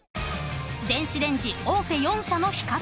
［電子レンジ大手４社の比較］